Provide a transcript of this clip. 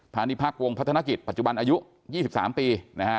พาณีภักดิ์วงพัฒนกิจปัจจุบันอายุ๒๓ปี